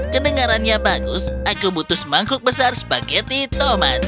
kedengarannya bagus aku butuh mangkuk besar spageti tomat